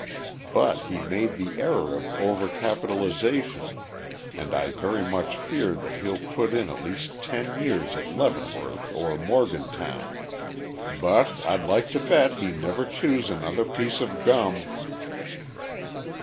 But he made the error of overcapitalization and I very much fear that he'll put in at least ten years at Leavenworth or Morgantown. But I'd like to bet he never chews another piece of gum!"